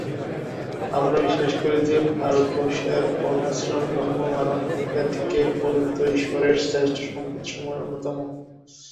আমরা বিশ্বাস করি যে, ভারতবর্ষের বর্ণাশ্রমধর্ম মানবজাতিকে প্রদত্ত ঈশ্বরের শ্রেষ্ঠ সম্পদসমূহের অন্যতম।